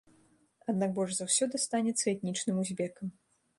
Аднак больш за ўсё дастанецца этнічным узбекам.